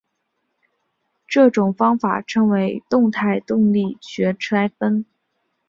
这种方法称为动态动力学拆分。